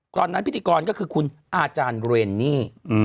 ก่อนนั้นพิธีกรก็คือคุณอาจารย์เรนนี่